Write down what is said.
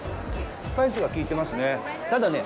スパイスがきいていますね。